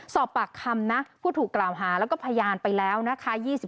สอบปากคำนะผู้ถูกกล่าวหาแล้วก็พยานไปแล้วนะคะ